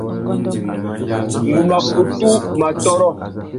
Ngu mà kutu mù atôrô.